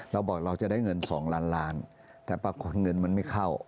เราบอกเราจะได้เงิน๒ล้านล้านแต่ปรากฏเงินมันไม่เข้า